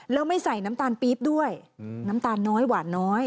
แล้วไม่ใส่น้ำตาลปี๊บด้วยน้ำตาลน้อยหวานน้อย